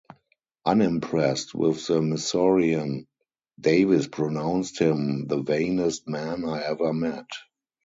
Unimpressed with the Missourian, Davis pronounced him the vainest man I ever met.